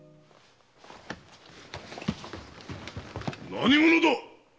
何者だ⁉